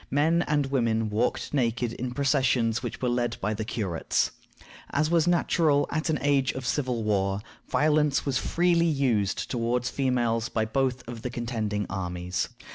Men and women walked naked in processions which were led by the curates. As was natural at an age of civil war, violence was freely used toward females by both of the contending armies.